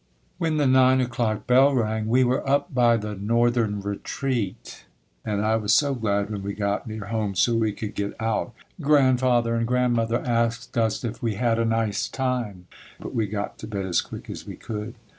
When the nine o'clock bell rang we were up by the "Northern Retreat," and I was so glad when we got near home so we could get out. Grandfather and Grandmother asked us if we had a nice time, but we got to bed as quick as we could.